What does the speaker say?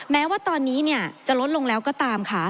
แม้ว่าตอนนี้จะลดลงแล้วก็ตามค่ะ